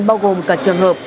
bao gồm cả trường hợp